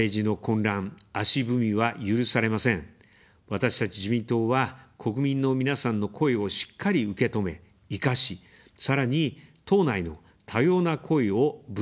私たち自民党は、国民の皆さんの声をしっかり受け止め、活かし、さらに、党内の多様な声をぶつけ合います。